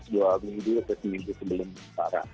dua minggu ke seminggu sebelum barang